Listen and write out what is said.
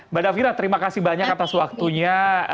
mbak davira terima kasih banyak atas waktunya